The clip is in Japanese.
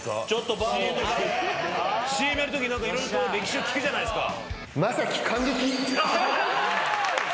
ＣＭやるとき色々と歴史を聞くじゃないですか。